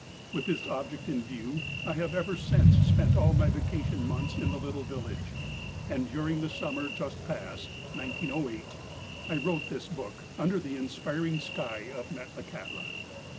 With this object in view, I have ever since spent all my vacation months in the little village, and, during the summer just past (1908), I wrote this book under the in spiring sky of Metlakahtla.